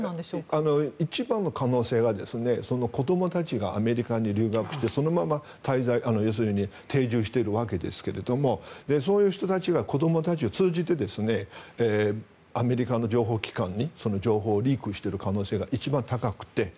一番の可能性は子どもたちがアメリカに留学してそのまま滞在要するに定住しているわけですがそういう人たちは子どもたちを通じてアメリカの情報機関に情報をリークしている可能性が一番高くて。